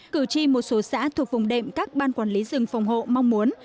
cử tri một số xã thuộc vùng đệm các ban quản lý rừng phòng hộ mong muốn